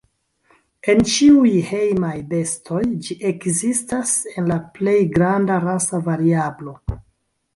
El ĉiuj hejmaj bestoj ĝi ekzistas en la plej granda rasa variablo.